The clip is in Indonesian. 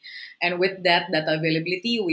dan dengan data availability itu